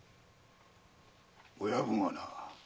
親分はな